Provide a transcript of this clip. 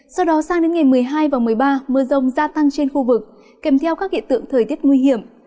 sau đó sang đến ngày một mươi hai và một mươi ba mưa rông gia tăng trên khu vực kèm theo các hiện tượng thời tiết nguy hiểm